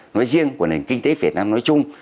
nói riêng của nền kinh tế việt nam nói chung